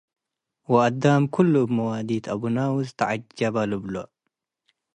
ወአዳ'ም ክሉ እብ መዋዲት አቡነወስ ተዐጀበ፡ ልብሎ።